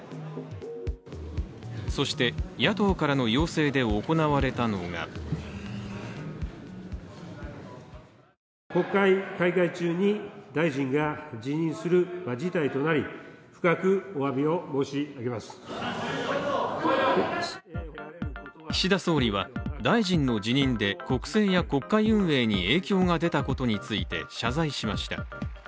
そして、野党からの要請で行われたのが岸田総理は大臣の辞任で国政や国会運営に影響が出たことについて謝罪しました。